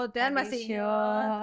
dan masih inget